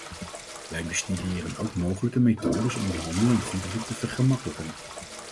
Wij bestuderen ook mogelijke methodes om de handel in goederen te vergemakkelijken.